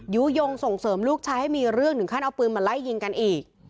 ยุโยงส่งเสริมลูกชายให้มีเรื่องถึงขั้นเอาปืนมาไล่ยิงกันอีก